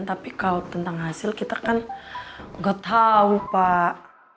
tapi kalau tentang hasil kita kan nggak tahu pak